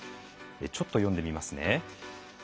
ちょっと読んでみますね。